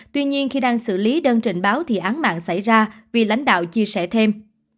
tuy nhiên khi đang xử lý đơn trình báo thì án mạng xảy ra vì lãnh đạo chia sẻ thêm